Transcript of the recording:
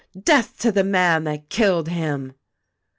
Death to the man that killed him